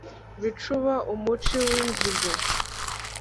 bicuba, umuci w’inzigo